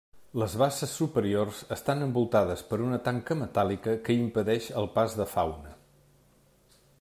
Les basses superiors estan envoltades per una tanca metàl·lica que impedeix el pas de fauna.